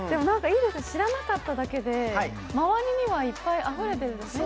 いいです、知らなかっただけで周りにはいっぱいあふれてるんですね。